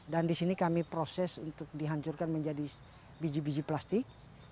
dan di sini kami proses untuk dihancurkan menjadi biji biji plastik